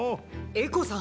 エコさん